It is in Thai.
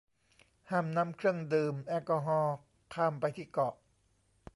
ห้ามนำเครื่องดื่มแอลกอฮอล์ข้ามไปที่เกาะ